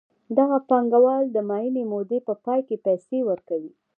دغه پانګوال د معینې مودې په پای کې پیسې ورکوي